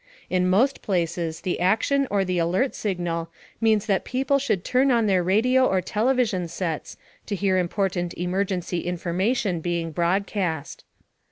In most places, the Attention or Alert Signal means that people should turn on their radio or television sets to hear important emergency information being broadcast.